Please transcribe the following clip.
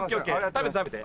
食べて食べて。